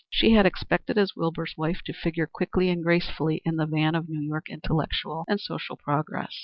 She had expected, as Wilbur's wife, to figure quickly and gracefully in the van of New York intellectual and social progress.